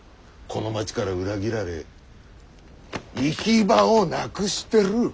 この町から裏切られ行き場をなくしてる。